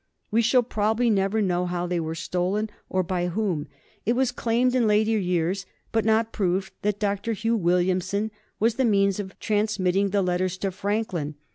We shall probably never know how they were stolen or by whom. It was claimed in later years, but not proved, that Dr. Hugh Williamson was the means of transmitting the letters to Franklin.